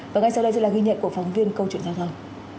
và ngay sau đây sẽ là ghi nhận của phóng viên câu chuyện giao thông